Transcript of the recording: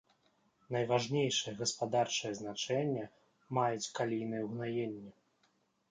Найважнейшае гаспадарчае значэнне маюць калійныя ўгнаенні.